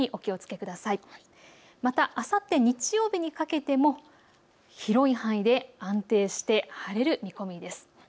またあさって日曜日にかけても広い範囲で安定して晴れる見込みです。